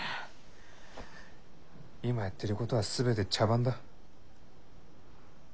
今やってることは全て茶番だ。